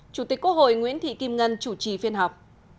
chủ tịch quốc hội nguyễn thị kim ngân chủ trì phiên họp